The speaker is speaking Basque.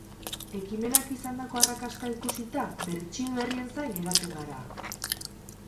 Ekimenak izandako arraksta ikusita, bertsio berrien zain geratzen gara!